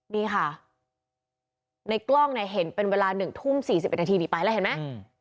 นี่ค่ะในกล้องเห็นเป็นเวลา๐๑๔๐นนี้ไปแล้วเห็นไหม